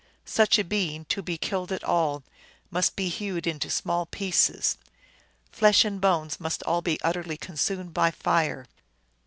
Such a being, to be killed at all, must be hewed into small pieces ; flesh and bones must all be utterly consumed by fire.